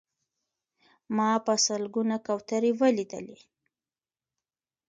ما په سلګونه کوترې ولیدلې.